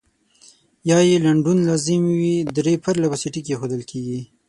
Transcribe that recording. یا یې لنډون لازم وي درې پرلپسې ټکي اېښودل کیږي.